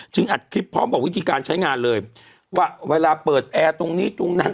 อัดคลิปพร้อมบอกวิธีการใช้งานเลยว่าเวลาเปิดแอร์ตรงนี้ตรงนั้น